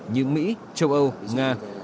như mỹ châu âu nga